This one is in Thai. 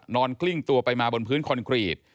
กลิ้งตัวไปมาบนพื้นคอนกรีต